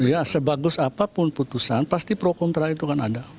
ya sebagus apapun putusan pasti pro kontra itu kan ada